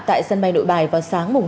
tại sân bay nội bài vào sáng